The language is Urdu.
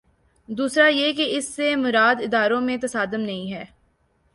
دوسرا یہ کہ اس سے مراد اداروں میں تصادم نہیں ہے۔